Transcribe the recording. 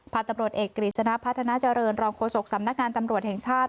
ตำรวจเอกกฤษณะพัฒนาเจริญรองโฆษกสำนักงานตำรวจแห่งชาติ